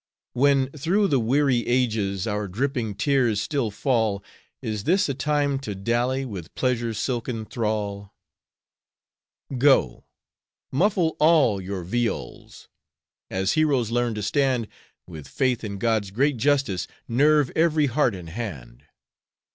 When through the weary ages Our dripping tears still fall, Is this a time to dally With pleasure's silken thrall? Go, muffle all your viols; As heroes learn to stand, With faith in God's great justice Nerve every heart and hand.